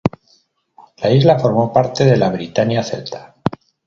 La isla formó parte de la britania celta.